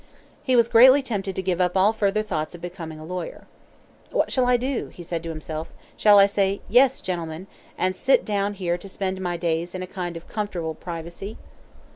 He was greatly tempted to give up all further thoughts of becoming a lawyer. "What shall I do?" he said to himself. "Shall I say, 'Yes, gentlemen,' and sit down here to spend my days in a kind of comfortable privacy?"